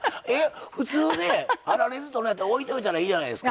普通、粗熱とるんやったら置いておいたらいいやないですか。